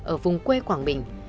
ở vùng quê quảng bình